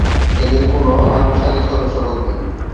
এদের কোন আনুষ্ঠানিক সদস্যপদ নেই।